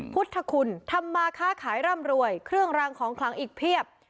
พุทธคุณทำมาค้าขายร่ำรวยเครื่องรางของขลังอีกเพียบ